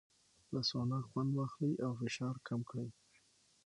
له سونا خوند واخلئ او فشار کم کړئ.